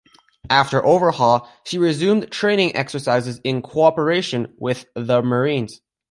After overhaul, she resumed training exercises in cooperation with the Marines.